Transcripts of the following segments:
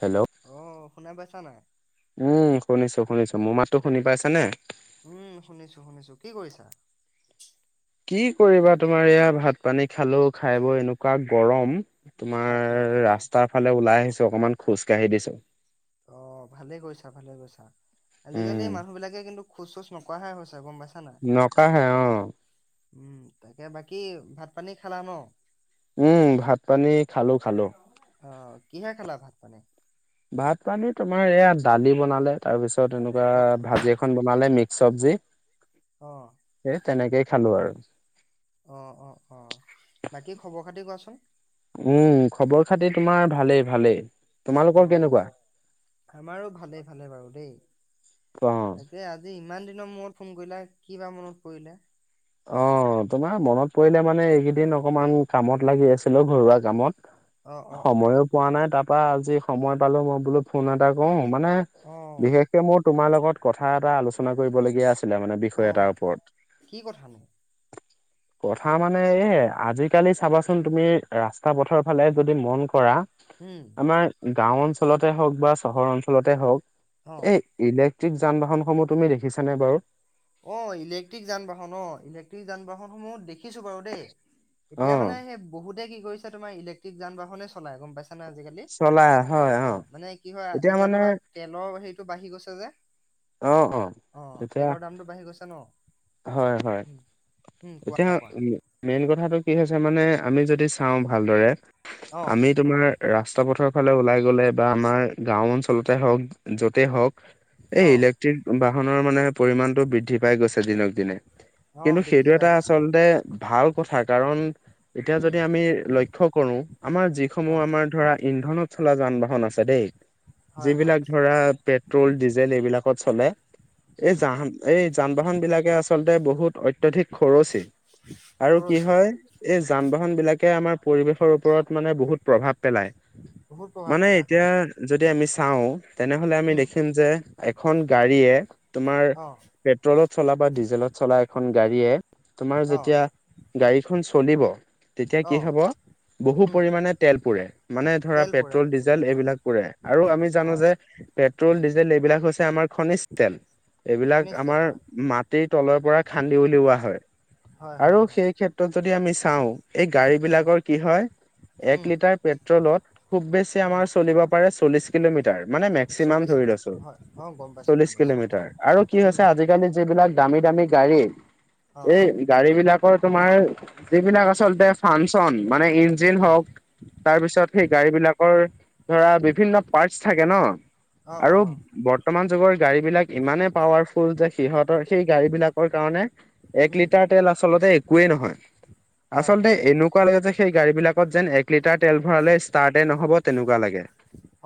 Hello. শুনোই পাইছা নে নাই? উম, শুনিছো শুনিছো, মোৰ মাততো শুনি পাইছানে? উম, শুনিছোঁ শুনিছোঁ। কি কৰিছা? কি কৰিবা তোমাৰ এইয়া ভাত পানী খালো, খাই বৈ এনেকুৱা গৰম। তাকে তোমাৰ তাকে ৰাস্তাৰ ফালে ওলাই আহিছোঁ, অকমান খোজ কাঢ়ি দিছো। অ', ভালেই কৰিছা, ভালেই কৰিছা, উম আজিকালি মানুহ বিলাকে কিন্তু খোজ-চোজ নকঢ়াই হৈছে, গম পাই নকাহেই অ'। উম, তাকে বাকি ভাত পানী খালা ন'? উম, ভাত-পানী খালোঁ খালোঁ। অ', কিহে খালা ভাত-পানি? ভাত পানী তোমাৰ এইয়া দালি বনালে, তাৰপিছত এনেকুৱা অ' ভাজি এখন বনালে মিক্স চবজি, অ' সেই তেনেকেই খালোঁ আৰু। অ', অ', অ', বাকি খবৰ খাতি কোৱাচোন? উম, খবৰ খাতি তোমাৰ ভালেই ভালেই। তোমালোকৰ অ', কেনেকুৱা আমাৰো ভালেই ভালেই বাৰু দেই। অ তাকেই আজি ইমান দিনৰ মূৰত ফোন কৰিলা, কিবা মনত পৰিলে? অ', তোমাৰ মনত পৰিলে মানে, এইকেইদিন অকমান কামত লাগি আছিলোঁ, ঘৰুৱা কামত। অ' অ' অ' সময়ো পোৱা নাই, তাৰপৰা আজি সময় পালো, মই বোলো ফোন এটা কৰো। মানে অ' বিশেষকে মোৰ তোমাৰ লগত কথা এটা আলোচনা কৰিবলগীয়া আছ ছিলে মানে, বিষয় অ' এটাৰ ওপৰত। কি কথানো? [inaudible] কথা মানে এই, আজিকালি চাবাচোন, তুমি ৰাস্তা পথাৰৰ ফালে যদি মন কৰা। উম, আমাৰ গাওঁ অঞ্চলতেই হওঁক বা চহৰ অঞ্চলতেই হওঁক, অ' এই ইলেক টিক যান-বাহনসমূহ তুমি দেখিছানে বাৰু? অ', ইলেক্ট্ৰিক যান-বাহন অ', ইলেক্ট্ৰিক যান-বাহন সমূহ দেখি শিকিছোঁ বাৰু দেই, এতিয়া অ', মানে সেই বহুতে কি কৰিছে, তোমাৰ ইলেক্ট্ৰিক যান-বাহনেই চলাই, গম পাইছা। মানে আজিকালি, চলাই হয় অ', মানে কি হয়? এতিয়া তোমাৰ তেলৰ হেৰি টো বাঢ়ি গৈছে যে। অ', অ', এতিয়া তেলৰ দামটো বাঢ়ি গৈছে ন'। হয়, হয়, উম উম এতিয়া কোৱা কোৱা মেইন কথাটো কি হৈছে মানে, আমি যদি চাওঁ ভালদৰে অ আমি তোমাৰ ৰাস্তা পথৰ ফালে ওলাই গ'লে বা আমাৰ গাঁও অঞ্চলতে হওক য'তে হওক অ এই ইলেক্ট্ৰিক বাহনৰ মানে পৰিমাণটো বৃদ্ধি পাই গৈছে দিনক দিনে। অ কিন্তু বৃদ্ধি সেইটো পাই এটা গৈছে আচলতে ভাল কথা, কাৰণ এতিয়া উম যদি আমি লক্ষ্য কৰো আমাৰ অ যিসমূহ আমাৰ ধৰা ইন্ধনত চলা যান বাহন আছে দেই হয় হয় যিবিলাক ধৰা পেট্ৰল, ডিজেল এইবিলাকত চলে, এই উম যান, এই যান-বাহন বিলাকে আচলতে বহুত অ' অত্যাধিক খৰচী, আৰু কি হয় এই যান বাহন বিলাকে আমাৰ পৰিৱেশৰ ওপৰত মানে বহুত প্ৰভাৱ পেলাই, বহুত প্ৰভাৱ মানে পেলাই এতিয়া হয় হয়। যদি আমি চাওঁ তেনেহ'লে আমি উম দেখিম যে এখন গাড়ীয়ে তোমাৰ অ পেট্ৰলত চলা বা ট্ৰলত চলা এখন গাড়ীয়ে তোমাৰ অ যেতিয়া গাড়ীখন চলিব তেতিয়া অ কি হ'ব বহু উম পৰিমাণে তেল পুৰে, মানে ধৰা তেল পৰে পেট্ৰল, তেল ডিজেল পৰে হয় এইবিলাক পুৰে আৰু আমি জানো হয় যে পেট্ৰল, ডিজেল এইবিলাক হৈছে আমাৰ খনিজ তেল এইবিলাক খনিজ তেল আমাৰ হয় ম তলৰ পৰা খান্দি উলিওৱা হয়। হয় আৰু হয় হয় সেই ক্ষেত্ৰত যদি আমি চাওঁ এই গাড়ী উম বিলাকৰ কি হয় এক উম লিটাৰ পেট্ৰলত খুব বেছি উম, আমাৰ চলিব পাৰে চল্লিশ কিলোমিটাৰ, মানে মেক্সিমাম চল্লিছ কিলোমিটাৰ হয় অ', গম পাইছোঁ গম চল্লিশ পাইছোঁ কিলোমিটাৰ, আৰু কি উম, হৈছে আজিকালি যিবিলাক দামী দামী গাড়ী, অ', এই গাড়ীবিলাক তোমাৰ যিবিলাক আচলতে ফাংচন মানে ইঞ্জিন অ', হওক তাৰপিছত সেই গাড়ী বিলাকৰ ধৰা বিভিন্ন পাৰ্টচ থাকে ন অ', অ', আৰু অ বৰ্তমান যুগৰ গাড়ী বিলাক ইমানেই পাৱাৰফুল যে সিহঁতৰ সেই গাড়ী বিলাকৰ কাৰণে এক উম, লিটাৰ তেল আচলতে একোৱেই নহয়। হয় আচলতে হয় হয় এনেকুৱা লাগে যে সেই গাড়ী বিলাকত যেন এক লিটাৰ তেল ভৰালে ষ্টাৰ্টএ নহ'ব তেনেকুৱা লাগে।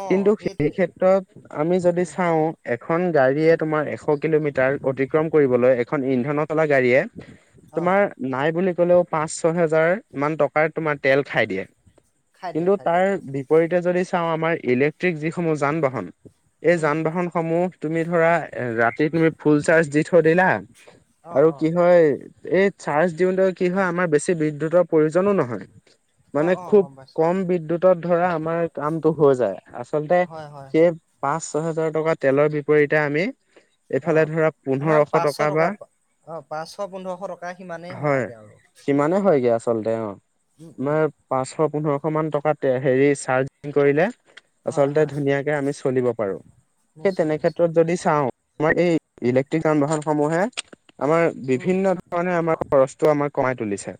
অ', কিন্তু সেই সেইটোৱে ক্ষেত্ৰত আমি যদি উম, চাওঁ এখন গাড়ীয়ে তোমাৰ এশ কিলোমিটাৰ অতি কৰিবলৈ এখন ইন্ধনত গাড়ীয়ে অ', তোমাৰ নাই বুলি কলেও পাঁচ ছয় হাজাৰ মান টকাৰ তোমাৰ তেল খাই দিয়ে, খাই দিয়ে কিন্তু খাই দিয়ে তাৰ হয় বিপৰীতে যদি চাওঁ আমাৰ ট্ৰিক যিসমূহ যান-বাহন এই উম, যান বাহনসমূহ তুমি ধৰা ৰাতি তুমি ফুল চাৰ্জ দি সৈদিনা অ', আৰু কি অ', হৈ এই চাৰ্জ দিওঁতে কি হৈ আমাৰ বেছি বিদ্যুতৰ প্ৰয়োজনো নহয়। মানে অ', অ', খুব গম পাইছোঁ কম বিদ্যুতত ধৰা আমাৰ কামটো হৈ যায়, আচলতে হয় হয় সেই হয় পাঁচ ছহেজাৰ টকা তেলৰ বিপৰীতে আমি এইফালে অ', ধৰা আমাৰ পোন্ধৰশ পাঁচশ বা টকা অ', পাঁচশ পোন্ধৰশ টকা সিমানেই হয় আগে আৰু সিমানে অ', হয়গে আচলতে অ উম, উম, আমাৰ প পাঁচশ পোন্ধৰশ মান টকা হেৰী কৰিলে হয় আচলতে হয় ধুনীয়াকে আমি চলিব পাৰো। সেই নিশ্চয় নিশ্চয় তেনেক্ষেত্ৰত যদি চাওঁ আমাৰ এই উম, ইলেকট্ৰিক যান বাহনসমূহে আমাৰ উম, বিভিন্ন ধৰণে আমাৰ খৰচটো আমাৰ কমাই তুলিছে।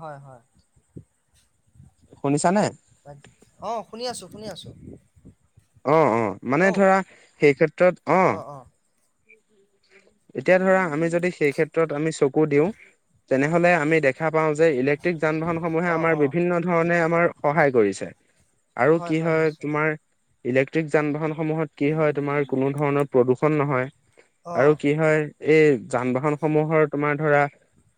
হয়, হয়। শুনিছানে অ', শুনি আছো, শুনি আছো। অ', অ', মানে ধৰা সেই ক্ষেত্ৰত অ', এতিয়া ধৰা আমি যদি সেই ক্ষেত্ৰত আমি চকু দিওঁ তেনেহ'লে আমি দেখা পাও যে ইলেক্ট্ৰিক যান বাহনসমূহে অ', আমাৰ অ', বিভিন্ন ধৰণে আমাৰ সহায় কৰিছে। আৰু কি হয় তোমাৰ ইলেক্ট্ৰিক যান বাহনসমূহত কি হয় তোমাৰ কোনো ধৰণৰ প্ৰদূষণ নহয়, অ', আৰু কি হয় এই যান বাহন সমূহৰ তোমাৰ ধৰা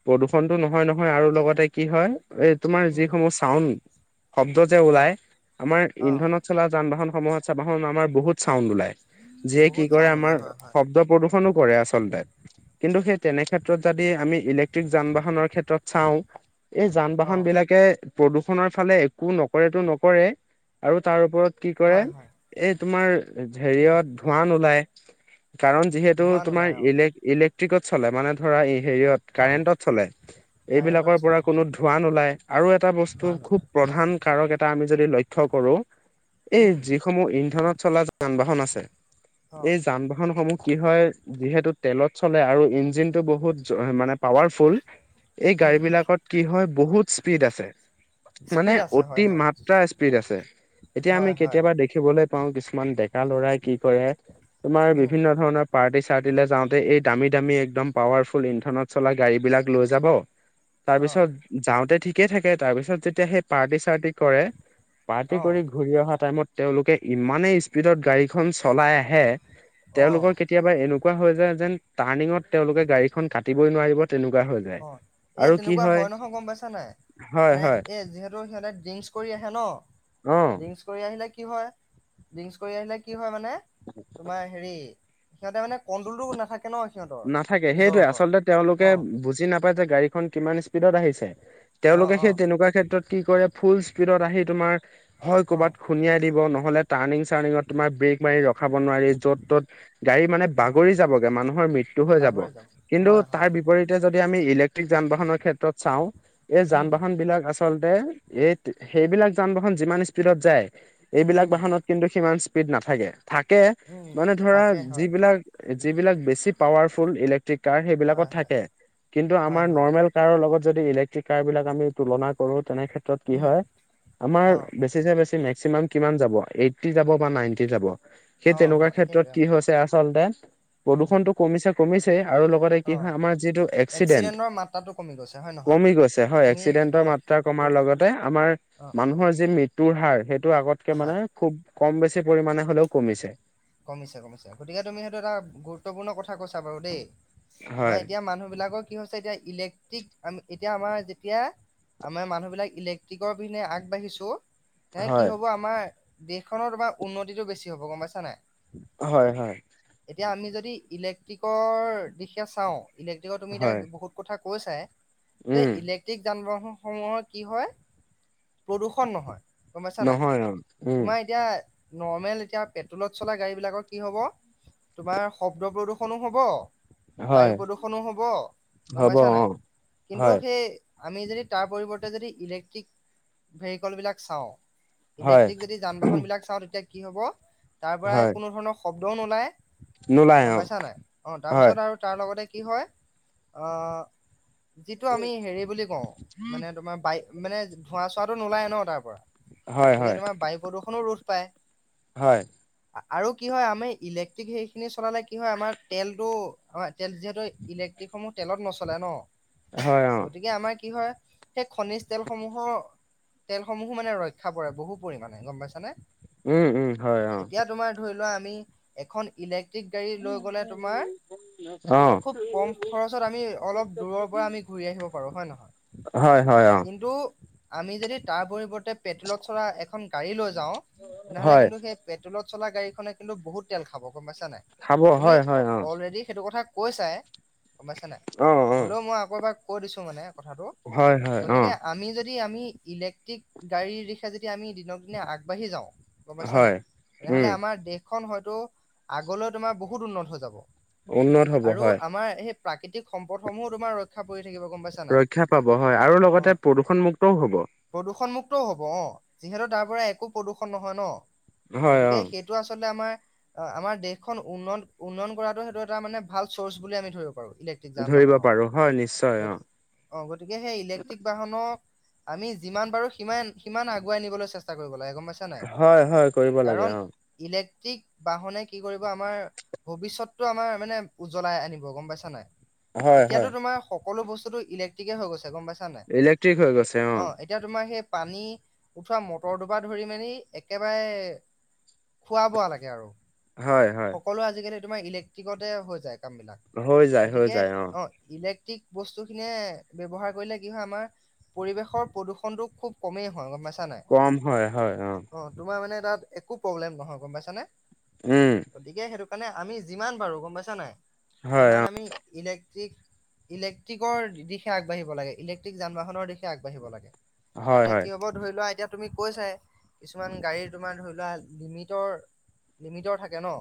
প্ৰদূষণটো নহয় নহয়, আৰু লগতে কি হয় এই তোমাৰ উম, যিসমূহ চাউণ্ড শব্দ যে অ', ওলাই আমাৰ অ', ইন্ধনত চলা যান বাহন সময়ত চাব হোন আমাৰ বহুত চাউন্ড ওলায়, যিয়ে কি বহুত কৰে চাউণ্ড ওলাই আমাৰ হয়, হয়, শব্দ প্ৰ কিনো কৰে আচলতে, কিন্তু তেনে ক্ষেত্ৰত যদি আমি ইলেক্ট্ৰিক যান বাহনৰ ক্ষেত্ৰত চাওঁ, এই যান বাহন অ', বিলাকে প্ৰদূষণৰ ফালে একো নকৰেতো নকৰে আৰু তাৰ ওপৰত কি কৰে হয়, হয়, এই তোমাৰ উম, হেৰিয়ত ধুৱা নুলাই কাৰণ, যিহেতু ধোঁৱা তোমাৰ নোলায় অ', ইলেক ইলেক ট্ৰিকত চলে মানে ধৰা এ হেৰিত অ', কাৰেণ্টত চলে। কাৰেণ্টত এইবিলাকৰ পৰা চলে হয়, কোনো ধোঁৱ নোলাই আৰু এটা ধোঁৱা বস্তু খুব নোলায়, প্ৰধান কাৰক এটা আমি যদি লক্ষ থ কৰোঁ এই উম, যিসমূহ ইন্ধনত চলা যান বাহন আছে, অ', এই যান বাহন সমূহ কি হয় যিহেতু তেলত চলে আৰু ইঞ্জিন বহুত মানে পাৱাৰফুল, এই উম, গাড়ী উম, বিলাকত কি হয় বহুত স্পীড আছে। মানে স্পীড আছে অতি হয়, হয়, মাত্ৰা স্পীড আছে। এতিয়া আমি হয়, হয়, কেতিয়াবা দেখিবলৈ পাওঁ কিছুমান ডেকা লৰাই কি কৰে তোমাৰ উম, বিভিন্ন ধৰণৰ চাৰ দিল যাওঁতে এই দামী দামী একদম পাৱাৰফুল ইন্ধনত চলা গাড়ী বিলাক লৈ যাব। অ', তাৰপিছত যাওঁতে ঠিকে থাকে তাৰপিছত যেতিয়া সেই পাৰ্টি চাৰ্টি কৰে, পাৰ্টি অ', কৰি ঘূৰি অহা টাইমত তেওঁলোকে ইমানে স্পীডত গাড়ীখন চলাই আহে তেওঁলোকৰ অ', কেতিয়াবা এনেকুৱা হয় যেন টাৰ্নিঙত তেওঁলোকে গাড়ীখন কাটিবই নোৱাৰিব তেনেকুৱা হৈ যায়। অ', এ আৰু কি তেনেকুৱা হয় নহয় গম পাইছা নাই? হয় মানে হয় এ যিহেতু সিহঁতে ড্ৰিংকচ কৰি আহে ন' অ ড্ৰিংকচ কৰি আহিলে কি হয় ড্ৰিংকচ কৰি আহিলে কি হয় মানে তোমাৰ হেৰি সিহঁতে মানে কন্দলটো নাথাকে ন সিহঁতৰ নাথাকে নিজৰ সেইটোৱে ওপৰত, আচলতে তেওঁলোকে অ', বুজি নাপায় যে গাড়ীখন কিমান স্পীডত আহিছে। অ', তেওঁলোকে সেই অ', তেনেকুৱা ক্ষেত্ৰত কি কৰে ফুল স্পীডত আহি তোমাৰ হয় অ', ক'ৰবাত খুনিয়ায় দিব নহলে টাৰ্ণিং চাৰ্ণিঙত তোমাৰ ব্ৰেক মাৰি ৰখ ৰখাব নোৱাৰি য'ত ত'ত গাড়ী মানে অ'। বাগৰি যাবগে মানুহৰ মৃত্যু হয় যাব, বাগৰি যাওঁ কিন্তু হয় তাৰ হয় বিপৰীতে যদি আমি ইলেক্ট্ৰিক যান বাহনৰ ক্ষেত্ৰত চাওঁ এই যান উম বাহন বিলাক আছে আচলতে, এই সেইবিলাক যান বাহন যিমান স্পীডত যায় এইবিলাক উম বাহনত কিন্তু সিমান নাথাকে থাকে উম মানে ধৰা থাকে হয় যিবিলাক যিবিলাক বেছি পাৱাৰফুল ইলেক কাৰ হয় সেইবিলাকত হয় থাকে, কিন্তু হয় আমাৰ হয় নৰ্মেল কাৰৰ লগত যদি ইলেক্ট্ৰিক কাৰ বিলাক আমি তুলনা কৰো তেনে ক্ষেত্ৰত কি উম হয় আমাৰ অ বেছিছে বেছি মেক্সিমাম কিমান যাব এইটি যাব বা নাইনটি যাব। সেই অ তেনেকুৱা হয় ক্ষেত্ৰত সেইটোৱে অ কি হৈছে আচলতে উম প্ৰদূষনটো কমিছে কমিছে আৰু লগতে কি অ হয় আমাৰ যিটো এক্সিডেন্ট এক্সিডেণ্টৰ মাত্ৰাটো কমি গৈছে হয় নহয় কমি গৈছে হয়, তুমি এক্সিডেন্টৰ অ মাত্ৰা কমাৰ তুম লগতে আমাৰ অ মানুহৰ যি মৃত্যু তোৰ হাৰ, সেইটো আগতকে হয় মানে খুব কম বেছি পৰিমাণে হলেও কমিছে। কমিছে কমিছে গতিকে তুমি সেইটো এটা গুৰুত্বপূৰ্ণ কথা কৈছা বাৰু দেই আমাৰ হয় এতিয়া মানুহ বিলাকৰ কি হৈছে এতিয়া ইলেক্ট্ৰিক আমি এতিয়া আমাৰ যেতিয়া আমাৰ মানুহ বিলাক ইলেক্ট্ৰিকৰ পিনে আগবাঢ়িছো এ কি হয় হব আমাৰ দেশখনৰ তোমাৰ উন্নতিটো বেছি হ'ব গম পাইছা নাই? হয়, হয়, এতিয়া আমি যদি ইলেক্ট্ৰিকৰ দিশে চাওঁ ইলেক্ট্ৰিকৰ তুমি হয় এতিয়া বহুত কথা কৈছাই। যে উম। ইলেক্ট্ৰিক যান বাহন সমূহৰ কি হয় প্ৰদূ্ষন নহয়। গম পাইছা নাই নহয় অ উম তোমাৰ এতিয়া নৰ্মেল এতিয়া পেট্ৰলত চলা গাড়ী বিলাকৰ কি হব তোমাৰ শব্দ প্ৰদূষনো হব বায়ু হয় প্ৰদূষণো হব, গম হ'ব পাইছা অ নাই কিন্তু হয় সেই আমি যদি তাৰ পৰিৱৰ্তে যদি ইলেক্ট্ৰিক ভেহিকল বিলাক চাওঁ হয় ইলেক্ট্ৰিক যদি যান বাহন বিলাক চাওঁ তেতিয়া কি হ'ব তাৰ পৰা হয় কোনো ধৰণৰ শব্দও নোলায় নোলায় অ গম পাইছা নাই অ হয় তাৰপিছত আৰু তাৰ লগতে কি হয় আ যিটো আমি হেৰি বুলি কওঁ মানে তোমাৰ বাই মানে ধোঁৱা চোৱাটো নোলায় ন তাৰ পৰা হয় গতিকে হয় তোমাৰ বায়ু প্ৰদূষণো ৰোধ পায়। হয়। আৰু কি হয় আমি ইলেক্ট্ৰিক সেইখিনি চলালে কি হয় আমাৰ তেলতটো হয় তেল যিহেতু ইলেক ট্ৰিকসমূহ তেলত নচলে ন। হয় অ'। গতিকে আমাৰ কি হয় সেই খনিজ তেলসমূহৰ তেলসমূহো মানে ৰক্ষা পৰে বহু পৰিমাণে। গম পাইছা নে? উম, উম। হয় অ এতিয়া তোমাৰ ধৰি লোৱা আমি এখন ইলেক্ট্ৰিক গাড়ী লৈ গ'লে তোমাৰ অ খুব কম খৰচত আমি অলপ দূৰৰ পৰা আমি ঘূৰি আহিব পাৰো হয় নে নহয়? হয়, হয়, অ'। কিন্তু আমি যদি তাৰ পৰিৱৰ্তে পেট্ৰলত চলা এখন গাড়ী লৈ যাওঁ তেনেহলে হয় কিন্তু সেই পেট্ৰলত চলা গাড়ীখনে কিন্তু বহুত তেল খাব গম পাইছা নাই। খাব তুমি হয় হয় অ অলৰেডি সেইটো কথা কৈ চাই গম পাইছে নাই। অ অ হ'লেও মই আকৌ এবাক কৈ দিছো মানে। কথাটো হয় হয় অ গতিকে আমি যদি আমি ইলেক্ট্ৰিক গাড়ীৰ দিশে যদি আমি দিনক দিনে আগবাঢ়ি যাওঁ গম পাইছা হয় নাই তেনেহলে উম আমাৰ দেশখন হয়তো আগলৈ তোমাৰ বহুত উন্নত হৈ যাব। উন্নত হ'ব আৰু হয়। আমাৰ সেই প্ৰাকৃতিক সম্পদসমূহো তোমাৰ ৰক্ষা পৰি থাকিব গম পাইছা নাই ৰক্ষা পাব হয় আৰু অ' লগতে প্ৰদূষণমুক্তও হ'ব। প্ৰদূষণমুক্তও হ'ব অ যিহেতু তাৰ পৰা একো প্ৰদূ্ষন নহয় ন হয় অ গতিকে সেইটো আচলতে আমাৰ অ' আমাৰ দেশখন উন্ন উন্নয়ন কৰাটো সেইটো এটা মানে ভাল চৰ্চ বুলি আমি ধৰি পাৰো ইলেকট্ৰনিক যান ধৰিব বাহনত। পাৰো হয় নিশ্চয় অ গতিকে সেই ইলেকট্ৰনিক বাহনৰ আমি যিমান পাৰো সিমান সিমান আগুৱাই নিবলৈ চেষ্টা কৰিব লাগে। গম পাইছা নাই হয়, হয় কৰিব লাগে। কাৰণ অ ই ইলেক্ট্ৰিক বাহনে কি কৰিব আমাৰ ভৱিষ্যততটো আমাৰ মানে উজ্বলাই আনিব গম পাইছা নাই। হয় এতিয়াতো হয় তোমাৰ সকলো বস্তুতটো ইলেক্ট্ৰিকে হৈ গৈছে গম পাইছা নাই ইলেক্ট্ৰিক হৈ গৈছে অ' এতিয়া তোমাৰ সেই পানী উঠোৱা মটৰটো পৰা ধৰি মেলি একেবাৰে খোৱা বোৱা লৈকে আৰু হয় হয় সকলো আজিকালি তোমাৰ ইলেক্ট্ৰিকতে হৈ যায়। কাম বিলাক হৈ যায় হৈ গতিকে যায় অ' ইলে টিক বস্তু খিনিয়ে ব্যৱহাৰ কৰিলে কি হয় আমাৰ পৰিৱেশৰ প্ৰদূষণতটো খুব কমেই হয় নাই কম হয় হয় অ'। তোমাৰ মানে তাত একো প্ৰব্লেম নহয় গম পাইছ নে উম গতিকে সেইটো কাৰণে আমি যিমান পাৰো গম পাইছা নাই হয় অ সিমান আমি ইলে ইলেক্ট্ৰিকৰ দিশে আগবাঢ়িব লাগে ইলেক্ট্ৰিক যান বাহনৰ দিশে আগবাঢ়িব লাগে। হয় তেতিয়া হয় কি হ'ব ধৰি লোৱা এতিয়া তুমি কৈ চাই কিছুমান গাড়ী তোমাৰ ধৰি লোৱা লিমিটৰ লিমিটৰ থাকে ন।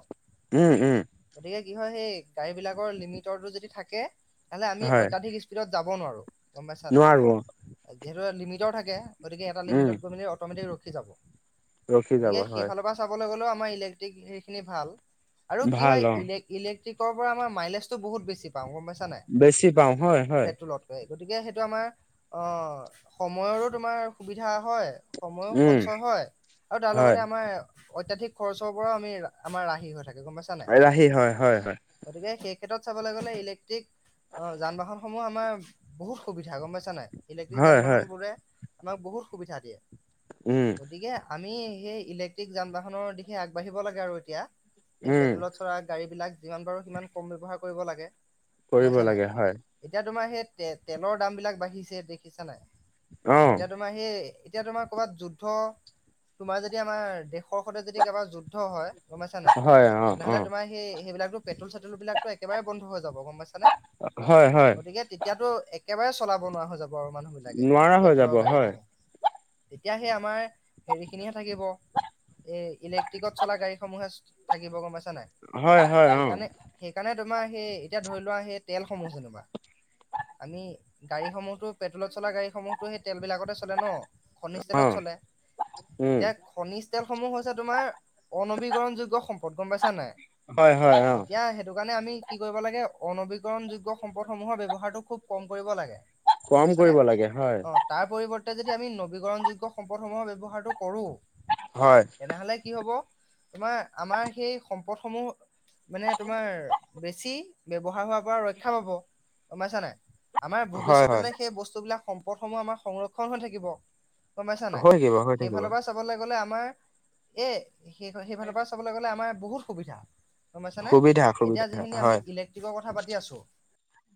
উম, উম। তেতিয়া কি হয় সেই গাড়ী বিলাকৰ লিমিটৰটো যদি থাকে তেনেহলে আমি হয় অত্যাধিক স্পীডত যাব নোৱাৰো গম পাইচা নোৱাৰো নাই। যিহেতু লিমিটৰ থাকে গতিকে এটা উম লিমিটত গৈ মেলি অট'মেটিক ৰখি যাব। ৰখি যাব গতিকে হয় সেইফালৰ পৰা চাবলৈ গ'লেও আমাৰ ইলেক্ট্ৰিক সেইখিনি ভাল আৰু কি ভাল হয় অ ইলে ইলেক টিকৰ পৰা আমাৰ মাইলেজ বহুত বেছি পাওঁ। পাইছা নাই বেছি পাওঁ হয় হয়। পেট্ৰলত লতকৈ গতিকে সেইটো আমাৰ অ সময়ৰো তোমাৰ সুবিধা। হয়, সময়ো উম সঞ্চয় হয়, আৰু তাৰ হয় লগতে আমাৰ অত্যাধিক খৰচৰ পৰাও, আমি আমাৰ ৰাহি হৈ থাকে। গম পাইছা নাই ৰাহি হয়, হয়, হয়। গতিকে সেই ক্ষেত্ৰত চাবলৈ গ'লে ইলেক্ট্ৰিক অ, যান বাহনসমূহ আমাৰ বহুত সুবিধা গম পাইছা নাই? ইলেক্ট্ৰিক হয় যান বাহন হয় বোৰে আমাক বহুত সুবিধা দিয়ে। উম গতিকে আমি সেই ইলেক্ট্ৰিক যান বাহনৰ দিশে আগবাঢ়িব লাগে আৰু, এতিয়া সেই উম পেট্ৰলত চলা গাড়ী বিলাক যিমান পাৰোঁ সিমান কম ব্যৱহাৰ কৰিব লাগে, গম কৰিব পাইছা নাই? লাগে হয় এতিয়া তোমাৰ সেই তে-তেলৰ দাম বিলাক বাঢ়িছে দেখিছা নাই? অ এতিয়া তোমাৰ সেই এতিয়া তোমাৰ কৰ'ৰবাত যুদ্ধ, তোমাৰ যদি আমাৰ দেশৰ সৈতে যদি কাৰবাৰ যুদ্ধ হয়- গম পাইছা নাই? হয় অ অ তেনেহ'লে তোমাৰ সেই সেইবিলাকো পেট্ৰল চেট্ৰল বিলাকতো একেবাৰে বন্ধ হৈ যাব। যাব, গম পাইছা নে? হয় হয় গতিকে তেতিয়াতো একেবাৰে চলাব নোৱাৰা হৈ যাব। মানুহ বিলাকে, নোৱাৰা হৈ যাব পেট্ৰলৰ হয় গাড়ীসমূহ, তেতিয়া সেই আমাৰ হেৰি খিনিহে থাকিব, এই ইলেক্ট্ৰিকত চলা গাড়ী সমসমূহে থাকিব, গম পাইছা ছা নাই? হয় হয় অ সেইকাৰণে-সেইকাৰণে তোমাৰ সেই এতিয়া ধৰি লোৱা সেই তেলসমূহ যেনিবা আমি গাড়ীসমূহতো পেট্ৰলত চলা গাড়ীসমূহতো সেই তেল বিলাকতে চলে ন', খনিজ অ তেলত চ লে। উম এতিয়া খনিজ তেলসমূহ হৈছে তোমাৰ অনবীকৰণ যোগ্য সম্পদ, গম পাইছা নাই? হয় হয় অ এতিয়া সেইটো কাৰণে আমি কি কৰিব লাগে, অনবীকৰণ যোগ্য সম্পদ সমূহৰ ব্যৱহাৰটো খুব কম কৰিব লাগে। কম কৰিব লাগে হয়। এতিয়া যদি আমি নবীকৰণ যোগ্য সম্পদসমূহৰ ব্যৱহাৰটো কৰো, হয় তেনেহলে কি হব তোমাৰ আমাৰ সেই সম্পদ সমূহ মানে তোমাৰ বেছি ব্যৱহাৰ হোৱাৰ পৰা ৰক্ষা পাব, গম পাইছা নাই? আমাৰ হয় হয় ভৱিষ্যতলৈ সেই বস্তুবিলাক সম্পদসমূহ আমাৰ সংৰক্ষণ হৈ থাকিব। গম পাইছা নাই? হৈ থাকিব হৈ থাকিব সেইফালৰ পৰা চাবলৈ গলে তোমাৰ এই সে-সেইফালৰ পৰা চাবলৈ গলে আমাৰ বহুত সুবিধা। গম পাইছানে? সুবিধা এতিয়া সুবিধা যিখিনি আমি হয় ইলে্ট্ৰিকৰ কথা পাতি আছো